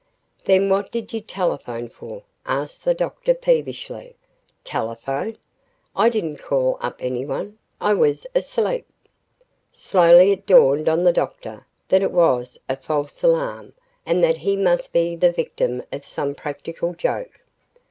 "Then what did you telephone for?" asked the doctor peevishly, "Telephone? I didn't call up anyone, I was asleep." Slowly it dawned on the doctor that it was a false alarm and that he must be the victim of some practical joke.